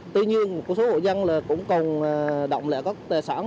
tuy nhiên một số hội dân cũng còn động lại các tài sản